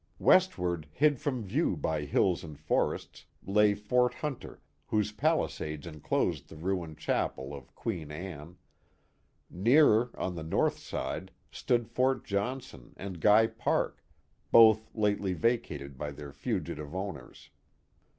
Westward, hid from view by hills and forests, lay Fort Hunter, whose palisades enclosed the ruined chapel of Queen Anne; nearer, on the north side, stood Fort Johnson and Guy Park, both lately vacated by their fugitive owners.